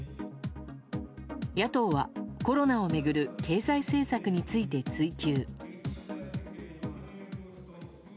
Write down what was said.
野党はコロナを巡る経済政策について追及。